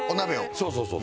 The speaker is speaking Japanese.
そうそうそうそう。